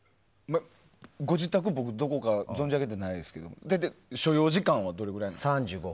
ご自宅、僕、どこか存じ上げてないですけど大体、所要時間はどのくらい？